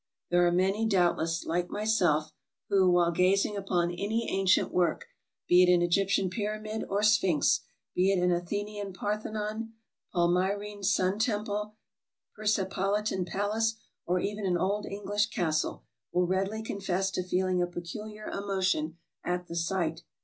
There are many, doubtless, like my self, who, while gazing upon any ancient work, be it an Egyptian Pyramid, or Sphinx, be it an Athenian Parthe non, Palmyrene sun temple, Persepolitan palace, or even an old English castle, will readily confess to feeling a peculiar emotion at the sight.